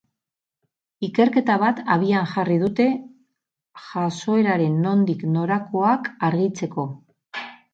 Ikerketa bat abian jarri dute jazoeraren nondik norakoak argitzeko.